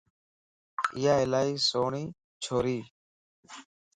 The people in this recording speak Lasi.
ايا الائي سھڻي ڇوريَ